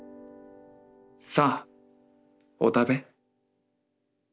『さあお食べ』